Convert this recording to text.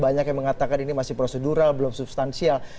banyak yang mengatakan ini masih prosedural belum substansial